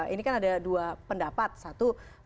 ini kan ada dua pendapat satu